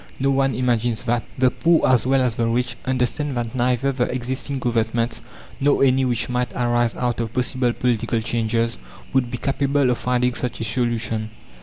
No one imagines that. The poor, as well as the rich, understand that neither the existing Governments, nor any which might arise out of possible political changes, would be capable of finding such a solution.